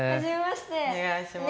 おねがいします。